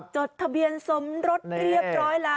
จดทะเบียนสไล่เหล็บร้อยแล้ว